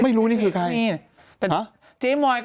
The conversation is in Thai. ไม่รู้นี่คือใคร